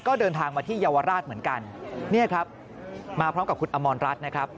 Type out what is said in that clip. ก็เดินทางมาที่เยาวราชเหมือนกันเนี่ยครับมาพร้อมกับคุณอมรรัฐนะครับ